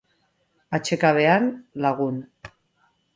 Atsekabean lagun.